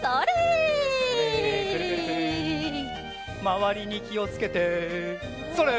まわりにきをつけてそれ！